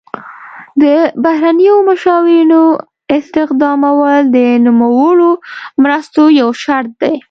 د بهرنیو مشاورینو استخدامول د نوموړو مرستو یو شرط دی.